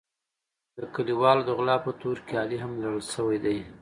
د کلیوالو د غلا په تور کې علي هم لړل شوی دی.